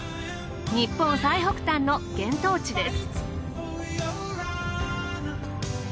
日本最北端の厳冬地です。